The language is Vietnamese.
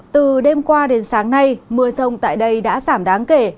từ đêm qua đến sáng nay mưa rông tại đây đã giảm đáng kể